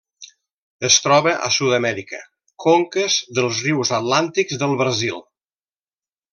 Es troba a Sud-amèrica: conques dels rius atlàntics del Brasil.